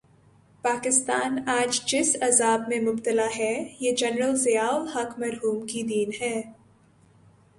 پاکستان آج جس عذاب میں مبتلا ہے، یہ جنرل ضیاء الحق مرحوم کی دین ہے۔